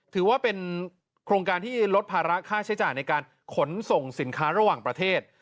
ถือว่าเป็นโครงการที่ลดภาระค่าใช้จ่ายในการขนส่งสินค้าระหว่างประเทศ